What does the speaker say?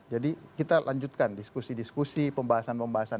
jadi kita lanjutkan diskusi diskusi pembahasan pembahasan